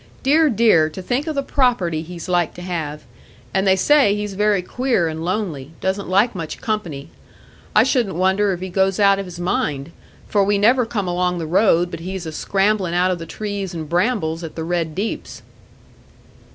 Dear, dear! to think o' the property he's like to have; and they say he's very queer and lonely, doesn't like much company. I shouldn't wonder if he goes out of his mind; for we never come along the road but he's a scrambling out o' the trees and brambles at the Red Deeps."